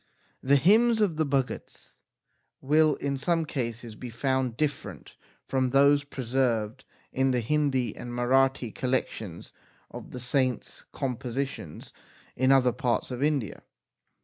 The hymns of the Bhagats will in some cases be found different from those preserved in the Hindi and Marathi collections of the saints com positions in other parts of India.